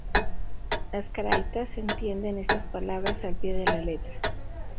Los caraítas entienden estas palabras al pie de la letra.